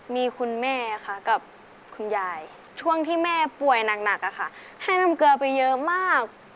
มีคุณแม่ค่ะกับคุณยายช่วงที่แม่ป่วยหนักให้น้ำเกลือไปเยอะมาก